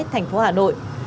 thành phố hà nội